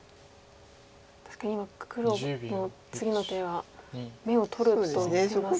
確かに今黒の次の手は眼を取ると言ってますね。